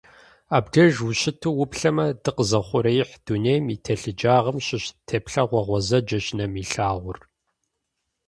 Абдеж ущыту уплъэмэ, дыкъэзыухъуреихь дунейм и телъыджагъым щыщ теплъэгъуэ гъуэзэджэщ нэм илъагъур.